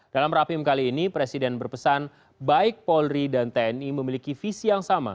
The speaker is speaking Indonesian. dalam rapim kali ini presiden berpesan baik polri dan tni memiliki visi yang sama